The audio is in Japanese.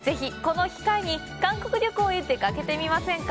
ぜひ、この機会に韓国旅行へ出かけてみませんか？